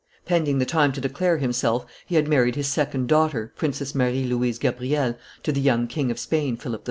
Pending the time to declare himself he had married his second daughter, Princess Marie Louise Gabrielle, to the young King of Spain, Philip V.